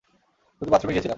শুধু বাথরুমে গিয়েছিলাম।